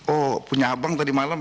oh punya abang tadi malam